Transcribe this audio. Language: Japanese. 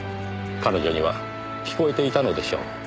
彼女には聞こえていたのでしょう。